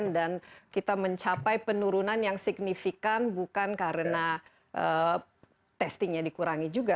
dan kita mencapai penurunan yang signifikan bukan karena testingnya dikurangi juga